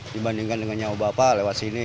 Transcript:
dibandingkan dengan nyawa bapak lewat sini